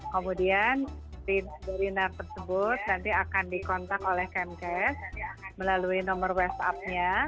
kemudian si berinar tersebut nanti akan dikontak oleh kmk melalui nomor whatsappnya